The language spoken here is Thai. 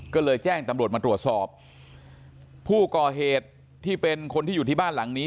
ก็เลยแจ้งตำรวจมาตรวจสอบผู้ก่อเหตุที่เป็นคนที่อยู่ที่บ้านหลังนี้